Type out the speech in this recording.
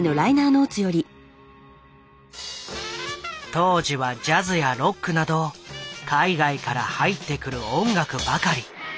当時はジャズやロックなど海外から入ってくる音楽ばかり。